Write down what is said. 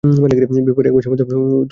বিবাহের এক মাসের মধ্যে বিধবা।